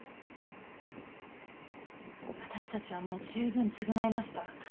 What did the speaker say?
私たちはもう十分償いました。